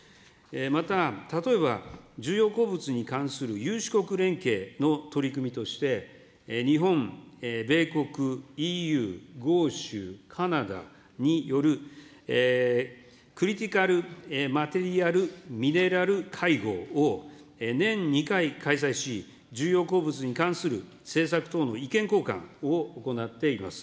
また、例えば重要鉱物に関する有志国連携の取り組みとして、日本、米国、ＥＵ、豪州、カナダによるクリティカルマテリアルミネラル会合を年２回、開催し、重要鉱物に関する政策等の意見交換を行っています。